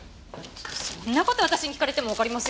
そんな事私に聞かれてもわかりませんよ。